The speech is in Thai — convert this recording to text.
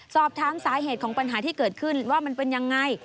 สอบถามสาเหตุของปัญหาที่เกิดขึ้นว่ามันเป็นยังไง